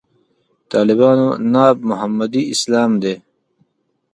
طالبانو ناب محمدي اسلام دی.